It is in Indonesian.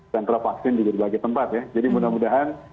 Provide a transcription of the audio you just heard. sentra vaksin di berbagai tempat ya jadi mudah mudahan